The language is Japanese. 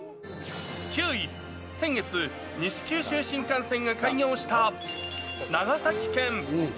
９位、先月、西九州新幹線が開業した長崎県。